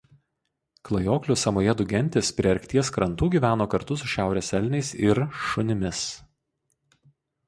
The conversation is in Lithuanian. Klajoklių samojedų gentys prie Arkties krantų gyveno kartu su šiaurės elniais ir šunimis.